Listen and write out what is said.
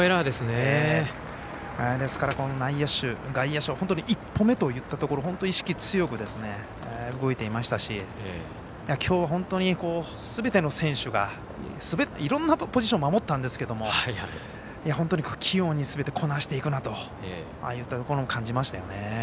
ですから内野手、外野手は本当に１歩目といったところ意識強く動いていましたしきょう、すべての選手がいろんなポジション守ったんですけども本当に、器用にすべてこなしていくなといったところも感じましたよね。